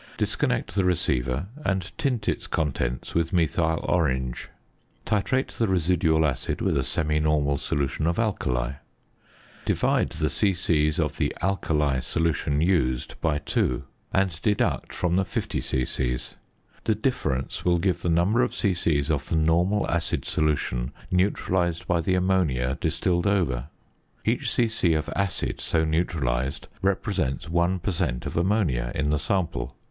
Disconnect the receiver, and tint its contents with methyl orange. Titrate the residual acid with a semi normal solution of alkali. Divide the c.c. of the "alkali" solution used by 2, and deduct from the 50 c.c. The difference will give the number of c.c. of the normal acid solution neutralised by the ammonia distilled over. Each c.c. of "acid" so neutralised, represents 1 per cent. of ammonia in the sample.